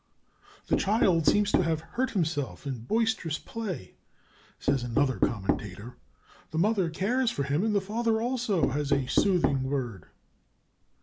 ["The child seems to have hurt himself in boisterous play," says another commentator. "The mother cares for him, and the father also has a soothing word."